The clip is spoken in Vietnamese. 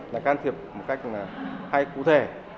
đã can thiệp một cách hay cụ thể